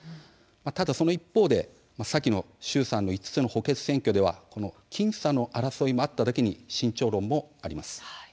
ただ、その一方で先の衆参の５つの補欠選挙では僅差の争いもあっただけに慎重論もあります。